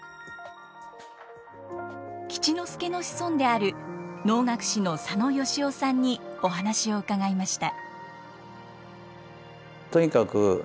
吉之助の子孫である能楽師の佐野由於さんにお話を伺いました。